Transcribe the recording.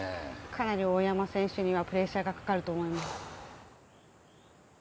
かなり大山選手にはプレッシャーがかかると思います。